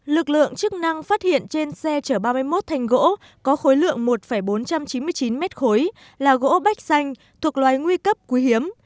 lực lượng chức năng phát hiện trên xe trở ba mươi một thành gỗ có khối lượng một bốn trăm chín mươi chín m ba là gỗ bách xanh thuộc loài nguy cấp quý hiếm